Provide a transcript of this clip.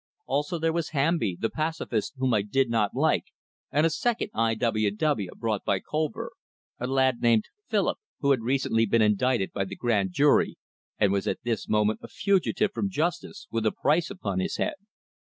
Also there was Hamby, the pacifist whom I did not like, and a second I. W. W., brought by Colver a lad named Philip, who had recently been indicted by the grand jury, and was at this moment a fugitive from justice with a price upon his head.